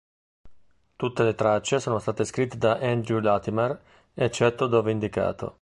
Tutte le tracce sono state scritte da Andrew Latimer, eccetto dove indicato.